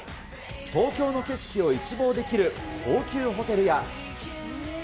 東京の景色を一望できる高級ホテルや。